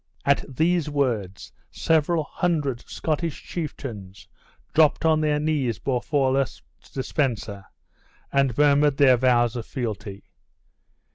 At these words several hundred Scottish chieftains dropped on their knees before Le de Spencer, and murmured their vows of fealty.